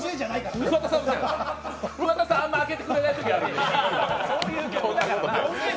桑田さん、あんまあけてくれないときがあるけど。